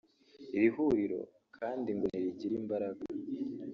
Iri huriro kandi ngo nirigira imbaraga